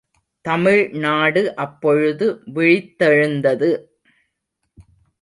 தமிழ்நாடு அப்பொழுது விழித்தெழுந்தது.